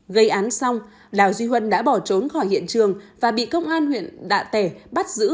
gây án xong đào duy huân đã bỏ trốn khỏi hiện trường và bị công an huyện đạ tẻ bắt giữ